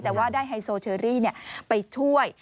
แต่ว่าได้ไฮโซเชอรี่ไปช่วย